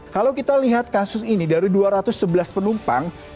kalau kita lihat kasus ini dari dua ratus sebelas penumpang